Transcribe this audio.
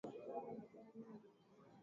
Hoja zako ni nzuri sana